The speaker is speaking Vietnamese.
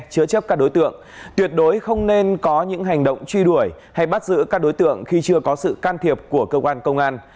chữa chấp các đối tượng tuyệt đối không nên có những hành động truy đuổi hay bắt giữ các đối tượng khi chưa có sự can thiệp của cơ quan công an